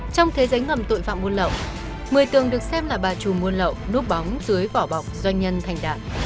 trong thế giới ngầm tội phạm buôn lậu một mươi tường được xem là bà trùm buôn lậu núp bóng dưới vỏ bọc doanh nhân thành đạt